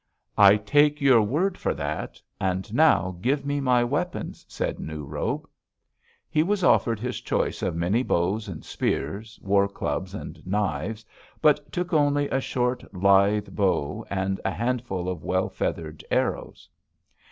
"'I take your word for that, and now give me weapons,' said New Robe. "He was offered his choice of many bows and spears, war clubs and knives, but took only a short, lithe bow and a handful of well feathered arrows.